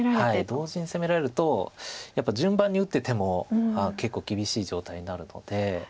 同時に攻められるとやっぱ順番に打ってても結構厳しい状態になるので。